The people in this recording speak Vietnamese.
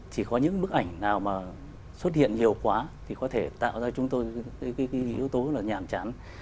chỉ có những bức ảnh nào mà xuất hiện nhiều quá thì có thể tạo ra chúng tôi yếu tố là nhàm chán